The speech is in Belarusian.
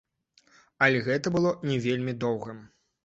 Але гэта было не вельмі доўга.